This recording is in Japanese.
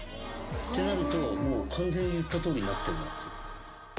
ってなると完全に言ったとおりになってるなって。